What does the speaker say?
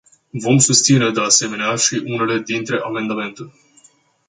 Vom susține, de asemenea, și unele dintre amendamente.